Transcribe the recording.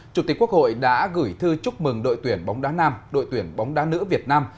chủ tịch quốc hội đã gửi thư chúc mừng đội tuyển bóng đá nam đội tuyển bóng đá nữ việt nam